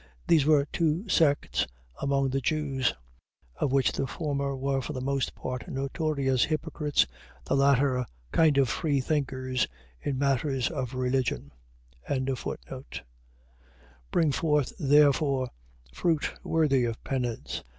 . .These were two sects among the Jews: of which the former were for the most part notorious hypocrites; the latter, a kind of freethinkers in matters of religion. 3:8. Bring forth therefore fruit worthy of penance.